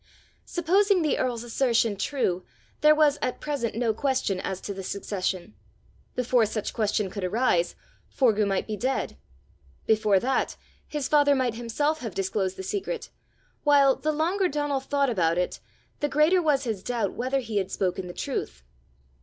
Supposing the earl's assertion true, there was at present no question as to the succession; before such question could arise, Forgue might be dead; before that, his father might himself have disclosed the secret; while, the longer Donal thought about it, the greater was his doubt whether he had spoken the truth.